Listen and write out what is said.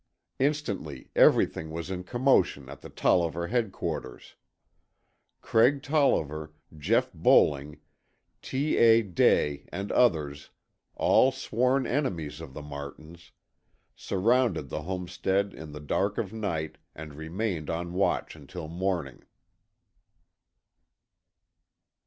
Instantly everything was in commotion at the Tolliver headquarters. Craig Tolliver, Jeff Bowling, T. A. Day and others, all sworn enemies of the Martins, surrounded the homestead in the dark of night and remained on watch until morning.